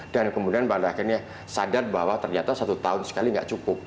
dan kemudian pada akhirnya sadar bahwa ternyata satu tahun sekali gak cukup